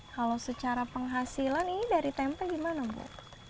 kalau secara penghasilan ini dari tempe gimana bu